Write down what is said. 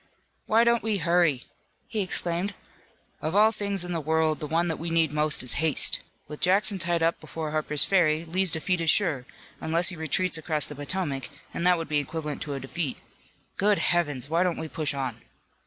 "Why don't we hurry!" he exclaimed. "Of all things in the world the one that we need most is haste. With Jackson tied up before Harper's Ferry, Lee's defeat is sure, unless he retreats across the Potomac, and that would be equivalent to a defeat. Good Heavens, why don't we push on?"